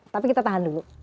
tapi kita tahan dulu